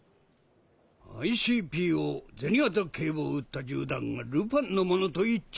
「ＩＣＰＯ銭形警部を撃った銃弾がルパンのものと一致」